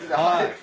はい。